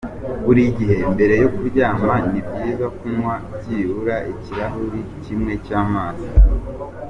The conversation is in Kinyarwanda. Buri gihe mbere yo kuryama ni byiza kunywa byibura ikirahuri kimwe cy’amazi.